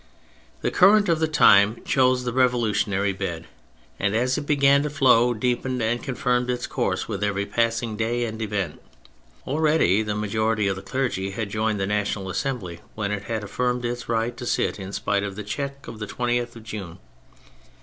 The current of the time chose the revolutionary bed, and as it began to flow deepened and confirmed its course with every passing day and event. Already the majority of the clergy had joined the National Assembly when it had affirmed its right to sit in spite of the check of the 20th of June.